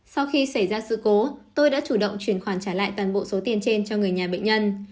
sau khi xảy ra sự cố tôi đã chủ động chuyển khoản trả lại toàn bộ số tiền trên cho người nhà bệnh nhân